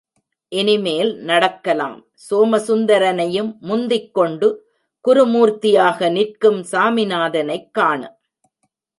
இனிமேல் நடக்கலாம் சோமசுந்தரனையும் முந்திக்கொண்டு குரு மூர்த்தியாக நிற்கும் சாமிநாதனைக் காண.